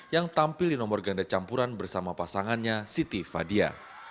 yang tampil di nomor ganda campuran bersama pasangannya siti fadia